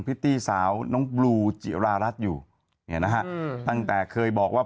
ิตตี้สาวน้องบลูจิรารัสอยู่เนี่ยนะฮะตั้งแต่เคยบอกว่า